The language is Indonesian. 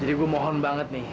jadi gue mohon banget nih